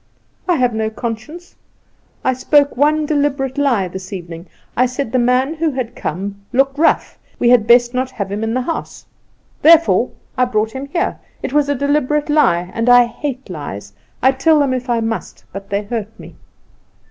"I have no conscience. I spoke one deliberate lie this evening. I said the man who had come looked rough, we had best not have him in the house; therefore I brought him here. It was a deliberate lie, and I hate lies. I tell them if I must, but they hurt me."